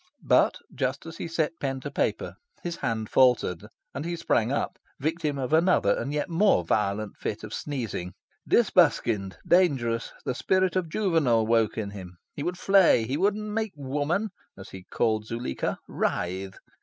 But, just as he set pen to paper, his hand faltered, and he sprang up, victim of another and yet more violent fit of sneezing. Disbuskined, dangerous. The spirit of Juvenal woke in him. He would flay. He would make Woman (as he called Zuleika) writhe.